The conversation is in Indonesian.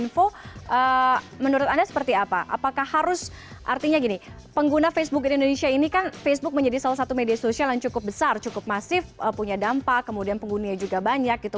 info menurut anda seperti apa apakah harus artinya gini pengguna facebook di indonesia ini kan facebook menjadi salah satu media sosial yang cukup besar cukup masif punya dampak kemudian penghuninya juga banyak gitu